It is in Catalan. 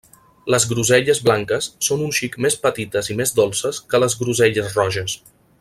Les groselles blanques són un xic més petites i més dolces que les groselles roges.